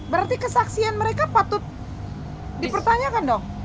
berarti kesaksian mereka patut dipertanyakan dong